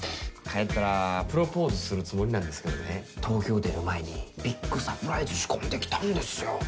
帰ったらプロポーズするつもりなんですけどね東京出る前にビッグサプライズ仕込んできたんですよ。